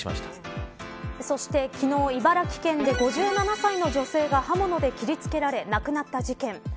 そして、昨日茨城県で５７歳の女性が刃物で切り付けられ亡くなった事件。